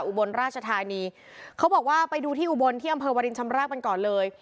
อุบลราชธานีเขาบอกว่าไปดูที่อุบลที่อำเภอวรินชำราบกันก่อนเลย